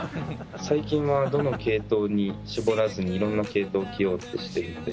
最近はどの系統に絞らずに色んな系統を着ようってしてるので。